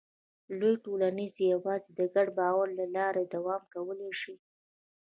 لویې ټولنې یواځې د ګډ باور له لارې دوام کولی شي.